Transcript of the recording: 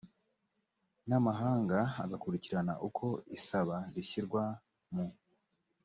n amahanga agakurikirana uko isaba rishyirwa mu